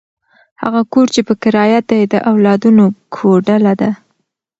هغه کور چې په کرایه دی، د اولادونو کوډله ده.